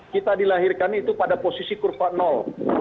kita dilahirkan itu pada posisi kurva nol